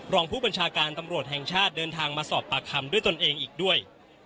รองผู้บัญชาการตำรวจแห่งชาติเดินทางมาสอบปากคำด้วยตนเองอีกด้วย